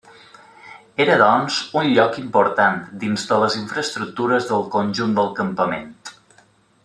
Era doncs, un lloc important dins de les infraestructures del conjunt del campament.